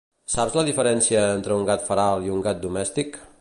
Saps la diferència entre un gat feral i un gat domèstic?